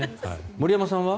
森山さんは？